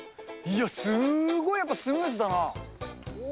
いや、すっごいやっぱスムーズだな。